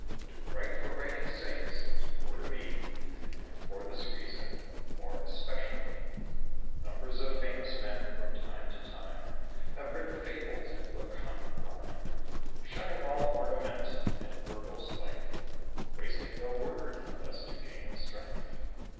To write for writing's sake seems poor to me; And for this reason, more especially Numbers of famous men, from time to time, Have written fables in laconic rhyme, Shunning all ornament and verbose length, Wasting no word, unless to gain in strength.